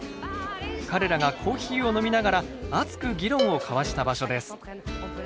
彼らがコーヒーを飲みながら熱く議論を交わした場所です。